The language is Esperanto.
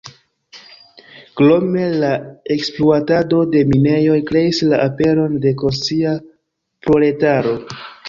Krome la ekspluatado de minejoj kreis la aperon de konscia proletaro.